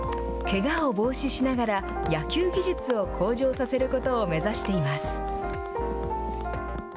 けがを防止しながら、野球技術を向上させることを目指しています。